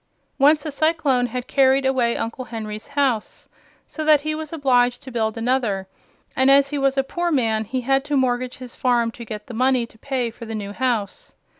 Once a cyclone had carried away Uncle Henry's house, so that he was obliged to build another; and as he was a poor man he had to mortgage his farm to get the money to pay for the new house.